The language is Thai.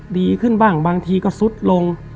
ดีขึ้นบ้างบางทีก็ซุดลง